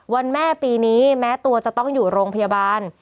แม่ปีนี้แม้ตัวจะต้องอยู่โรงพยาบาล